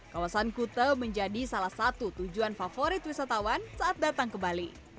kawasan kute menjadi salah satu tujuan favorit wisatawan saat datang ke bali